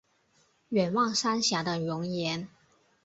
远望三峡的容颜